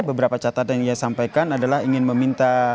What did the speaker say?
beberapa catatan yang ia sampaikan adalah ingin meminta